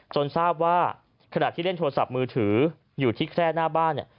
ทราบว่าขณะที่เล่นโทรศัพท์มือถืออยู่ที่แคร่หน้าบ้านเนี่ย